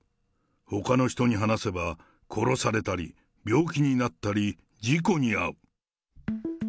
ほかの人に話せば殺されたり、病気になったり、事故に遭う。